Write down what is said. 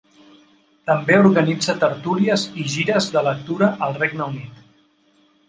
També organitza tertúlies i gires de lectura al Regne Unit.